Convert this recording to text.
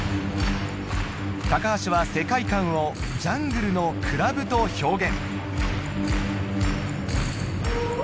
高橋は世界観を「ジャングルのクラブ」と表現